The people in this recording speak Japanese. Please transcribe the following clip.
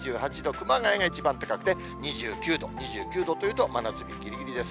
熊谷が一番高くて２９度、２９度というと、真夏日ぎりぎりです。